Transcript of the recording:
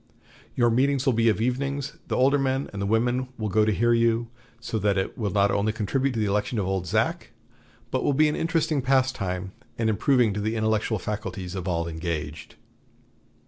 Your meetings will be of evenings; the older men, and the women, will go to hear you; so that it will not only contribute to the election of 'Old Zach,' but will be an interesting pastime, and improving to the intellectual faculties of all engaged."